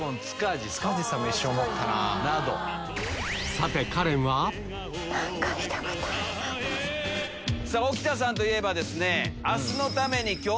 さて沖田さんといえばですね。